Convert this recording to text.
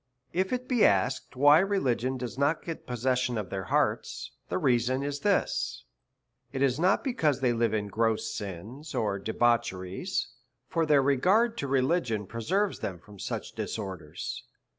If it be asked why religion does not get possession of their hearts, the reason is this ; it is not because they live in gross sins or debaucheries, for their regard to religion preserves them from such disorders.